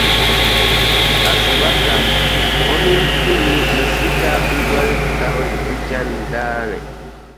Asiba kam o mini Femi ni Sika n-doli taba n-chani daa ni.